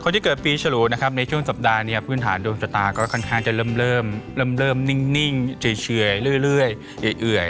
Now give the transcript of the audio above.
ที่เกิดปีฉลูนะครับในช่วงสัปดาห์เนี่ยพื้นฐานดวงชะตาก็ค่อนข้างจะเริ่มนิ่งเฉยเรื่อยเอื่อย